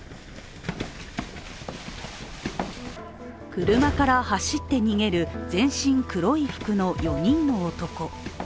車から走って逃げる全身黒い服の４人の男。